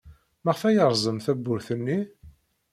Maɣef ay yerẓem tawwurt-nni?